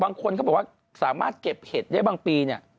บางคนเขาบอกว่าสามารถเก็บเห็ดได้บางปีเนี่ย